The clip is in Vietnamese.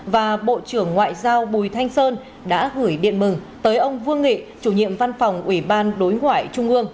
và bộ trưởng ngoại giao bùi thanh sơn đã gửi điện mừng tới ông vương nghị chủ nhiệm văn phòng ủy ban đối ngoại trung ương